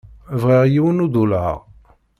Bɣiɣ yiwen udulaṛ.